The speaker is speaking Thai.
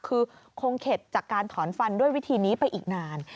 คือคงเข็ดจากการถอนฟันด้วยวิธีนี้ไปอีกนาน